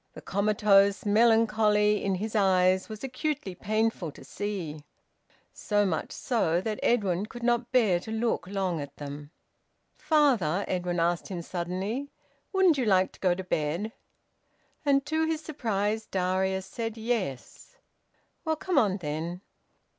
The comatose melancholy in his eyes was acutely painful to see so much so that Edwin could not bear to look long at them. "Father," Edwin asked him suddenly, "wouldn't you like to go to bed?" And to his surprise Darius said, "Yes." "Well, come on then."